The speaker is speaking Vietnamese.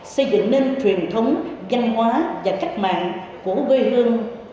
xây dựng nên truyền thống danh hóa và cách mạng của quê hương